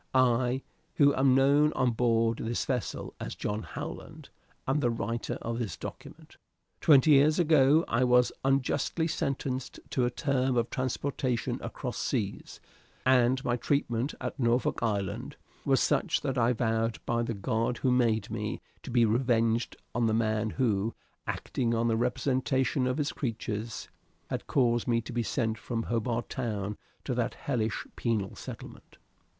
"I, who am known on board this vessel as John Howland, am the writer of this document. Twenty years ago I was unjustly sentenced to a term of transportation across seas, and my treatment at Norfolk Island was such that I vowed by the God who made me to be revenged on the man who, acting on the representation of his creatures, had caused me to be sent from Hobart Town to that hellish penal settlement.